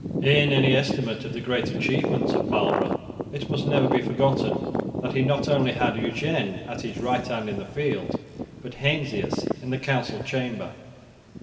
In any estimate of the great achievements of Marlborough it must never be forgotten that he not only had Eugene at his right hand in the field, but Heinsius in the council chamber.